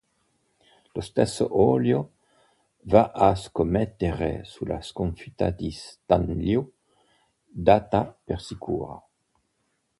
Lo stesso Ollio va a scommettere sulla sconfitta di Stanlio, data per sicura.